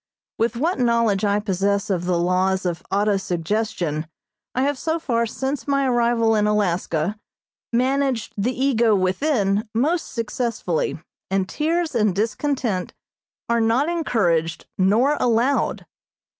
With what knowledge I possess of the laws of auto suggestion, I have so far since my arrival in Alaska managed the ego within most successfully, and tears and discontent are not encouraged nor allowed.